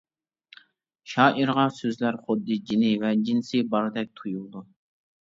شائىرغا سۆزلەر خۇددى جېنى ۋە جىنسى باردەك تۇيۇلىدۇ.